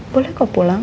boleh kau pulang